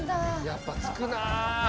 やっぱつくな。